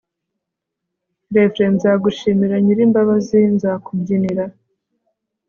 r/ nzagushimira nyir'imbabazi, nzakubyinira